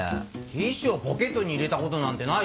ティッシュをポケットに入れたことなんてないし。